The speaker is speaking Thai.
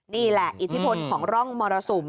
นี่แหละอิทธิพลของร่องมรสุม